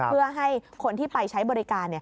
เพื่อให้คนที่ไปใช้บริการ